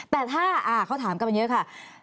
แต่ถ้าเขาถามกันมาเยอะค่ะ